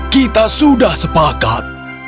kita sudah sepakat